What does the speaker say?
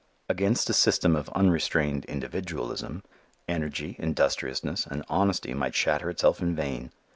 Against a system of unrestrained individualism, energy, industriousness and honesty might shatter itself in vain.